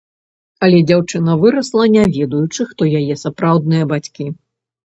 Але дзяўчына вырасла, не ведаючы, хто яе сапраўдныя бацькі.